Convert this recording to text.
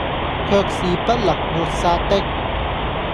卻是不能抹殺的，